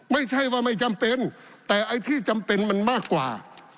ไม่ใช่ว่าไม่จำเป็นแต่ไอ้ที่จำเป็นมันมากกว่า